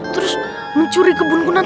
terus mencuri kebun kunanta lagi